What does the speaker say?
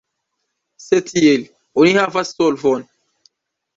Se tiel, oni havas solvon.